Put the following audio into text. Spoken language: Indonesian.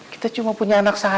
kita cuma punya anak saham